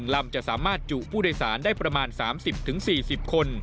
ลำจะสามารถจุผู้โดยสารได้ประมาณ๓๐๔๐คน